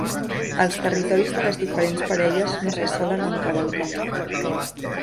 Els territoris de les diferents parelles no se solen encavalcar.